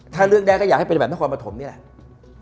ถ้าเลือกได้ก็อยากให้เป็นแบบนครปฐมนี่แหละ